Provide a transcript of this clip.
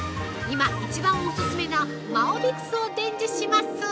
今、一番オススメなマオビクスを伝授します。